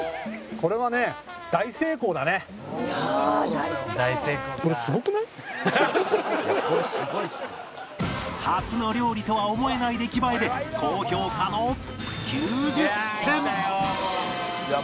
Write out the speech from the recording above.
これはね「いやこれすごいっすよ」初の料理とは思えない出来栄えで高評価の９０点